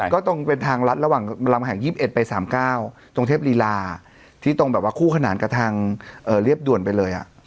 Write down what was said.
ก็ตรงเป็นทางรัฐระหว่างลำแห่ง๒๑ไป๓๙ตรงเทพลีลาที่ตรงแบบว่าคู่ขนานกับทางเรียบด่วนไปเลย